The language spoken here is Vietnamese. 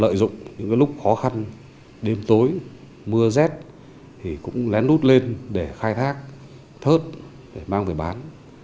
lợi dụng những lúc khó khăn đêm tối mưa rét thì cũng lén lút lên để khai thác thớt để mang về bán